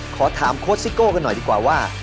ขอถามโค้ชซิโก้กันหน่อยดีกว่าว่า